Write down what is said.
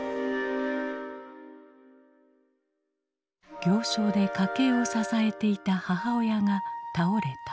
行商で家計を支えていた母親が倒れた。